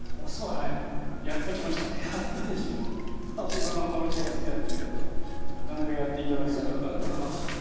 一番ハオルチアが好きなんですけどなかなかやって頂けなかったんで。